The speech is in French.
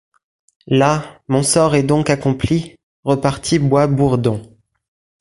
Las ! mon sort est doncques accomply, repartit Bois-Bourredon.